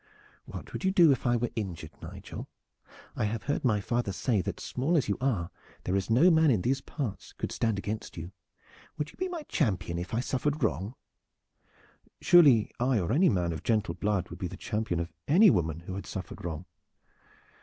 "What would you do if I were injured, Nigel? I have heard my father say that small as you are there is no man in these parts could stand against you. Would you be my champion if I suffered wrong?" "Surely I or any man of gentle blood would be the champion of any woman who had suffered wrong."